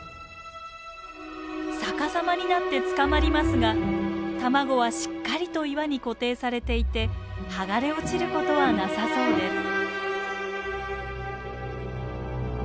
逆さまになってつかまりますが卵はしっかりと岩に固定されていて剥がれ落ちることはなさそうです。